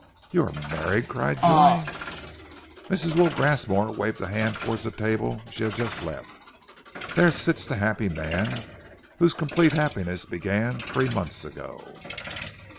"You are married?" cried Joy. Mrs. Will Grasmore waved a hand towards the table she had just left. "There sits the happy man, whose complete happiness began three months ago."